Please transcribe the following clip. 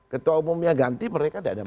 ketua umum yang ganti mereka tidak ada masalah